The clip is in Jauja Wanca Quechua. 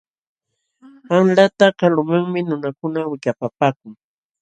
Qanlata kalumanmi nunakuna wikapapaakun.